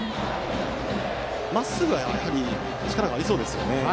まっすぐは力がありそうですね。